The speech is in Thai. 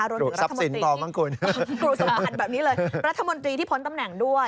กรุสมบัติแบบนี้เลยรัฐมนตรีที่พ้นตำแหน่งด้วย